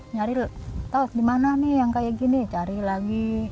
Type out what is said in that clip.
nyari tau gimana nih yang kayak gini cari lagi